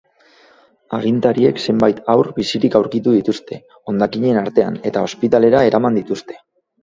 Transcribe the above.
Agintariek zenbait haur bizirik aurkitu dituzte hondakinen artean eta ospitalera eraman dituzte.